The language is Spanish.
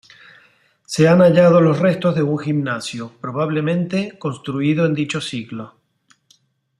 Se han hallado los restos de un gimnasio, probablemente construido en dicho siglo.